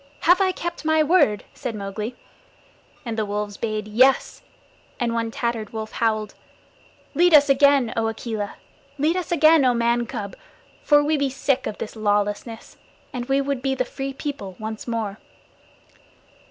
Have I kept my word?" said Mowgli. And the wolves bayed "Yes," and one tattered wolf howled: "Lead us again, O Akela. Lead us again, O Man cub, for we be sick of this lawlessness, and we would be the Free People once more."